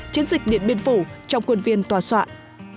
chiến dịch điện biên phủ trong quân viên toàn soạn